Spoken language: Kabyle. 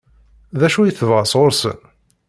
D acu i tebɣa sɣur-sen?